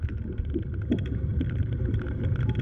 慕容宝等人就带着数千骑兵一同逃返后燕。